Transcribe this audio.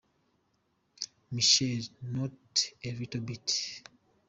Michelle – Not A Little Bit.